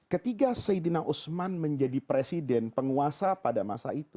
ketika sayyidina usman menjadi presiden penguasa pada masa itu